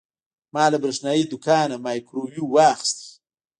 ما له برېښنايي دوکانه مایکروویو واخیست.